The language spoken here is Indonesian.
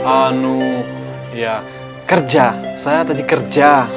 anu ya kerja saya tadi kerja